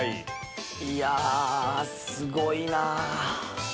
いやすごいな！